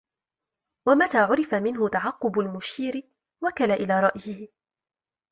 وَمَتَى عُرِفَ مِنْهُ تَعَقُّبُ الْمُشِيرِ وَكَلَ إلَى رَأْيِهِ